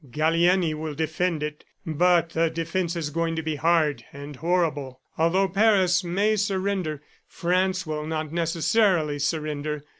Gallieni will defend it, but the defense is going to be hard and horrible. ... Although Paris may surrender, France will not necessarily surrender.